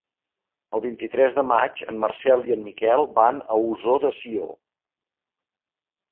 El vint-i-tres de maig en Marcel i en Miquel van a Ossó de Sió.